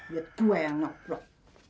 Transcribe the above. ya tuhan yang ngeprok